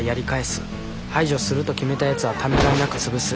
排除すると決めたやつはためらいなく潰す。